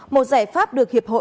một giải pháp được hiệp hội